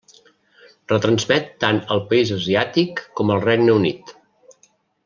Retransmet tant al país asiàtic com al Regne Unit.